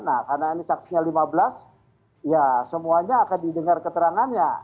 nah karena ini saksinya lima belas ya semuanya akan didengar keterangannya